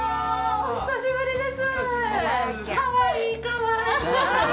お久しぶりです。